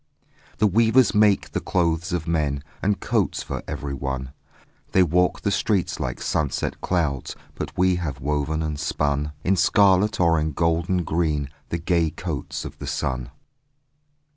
The weavers make the clothes of men And coats for everyone; They walk the streets like sunset clouds; But we have woven and spun In scarlet or in golden green The gay coats of the sun.